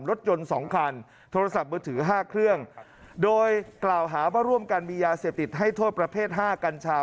รถยนต์สองคันโทรศัพท์มือถือ๕เครื่องโดยกล่าวหาว่าร่วมกันมียาเสพติดให้โทษประเภทห้ากัญชา